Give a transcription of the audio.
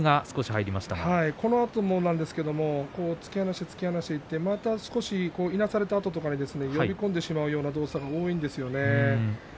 このあとも突き放してまた少しいなされたあとに呼び込んでしまうような動作が多いんですね。